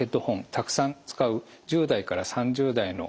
たくさん使う１０代から３０代の若者たちですね